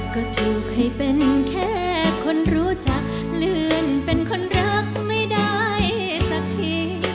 ก็ถูกให้เป็นแค่คนรู้จักเลื่อนเป็นคนรักไม่ได้สักที